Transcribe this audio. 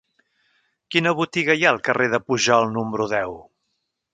Quina botiga hi ha al carrer de Pujol número deu?